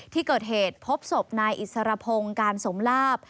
ที่เกิดเหตุพบศพนายอิสรพงศ์การสมลาบ